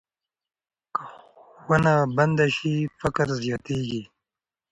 که ښوونه بنده سي، فقر زیاتېږي.